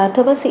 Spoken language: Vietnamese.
thưa bác sĩ